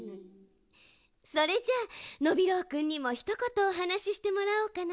それじゃあノビローくんにもひとことおはなししてもらおうかな。